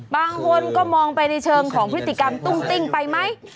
บางคนก็มองไปในเชิงของพฤติกรรมตุ้งติ้งไปไหม